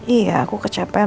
iya aku kecapean